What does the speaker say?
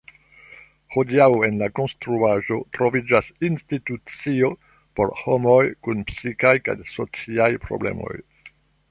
Hodiaŭ en la konstruaĵo troviĝas institucio por homoj kun psikaj kaj sociaj problemoj.